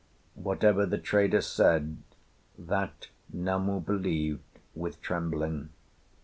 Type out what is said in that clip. Whatever the trader said, that Namu believed with trembling.